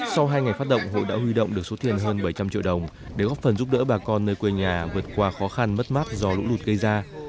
sau hai ngày phát động hội đã huy động được số tiền hơn bảy trăm linh triệu đồng để góp phần giúp đỡ bà con nơi quê nhà vượt qua khó khăn mất mát do lũ lụt gây ra